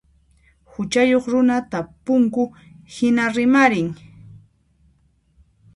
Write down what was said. Huchayuq runa tapunku hina rimarin.